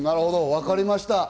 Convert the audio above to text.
分かりました。